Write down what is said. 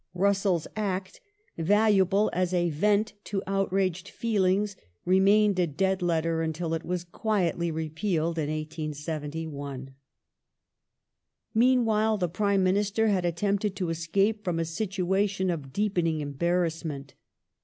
Russell's Act, valuable as a vent to outraged feelings, remained a dead letter until it was quietly repealed in 1871. The Min Meanwhile, the Prime Minister had attempted to escape from a dissolu situation of deepening embarrassment.